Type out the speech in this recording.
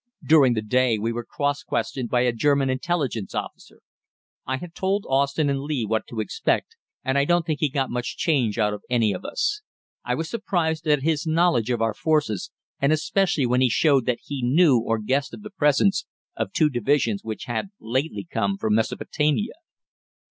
During the day we were cross questioned by a German Intelligence officer. I had told Austin and Lee what to expect, and I don't think he got much change out of any of us. I was surprised at his knowledge of our forces, and especially when he showed that he knew or guessed of the presence of two divisions which had lately come from Mesopotamia.